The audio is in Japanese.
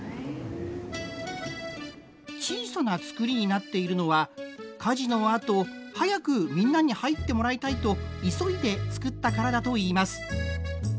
小さな造りになっているのは火事のあと早くみんなに入ってもらいたいと急いで造ったからだといいます。